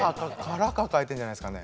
腹抱えてんじゃないですかね。